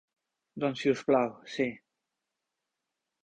Doncs si us plau si.